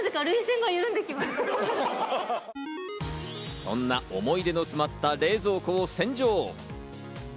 そんな思い出の詰まった冷蔵庫を洗浄。